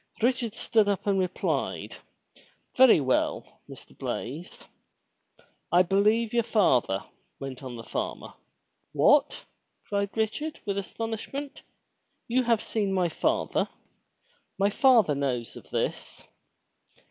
Richard stood up and replied, "Very well, Mr. Blaize." "I believe yer father," went on the farmer, — "What!" cried Richard, with astonishment. "You have seen my father! My father knows of this?"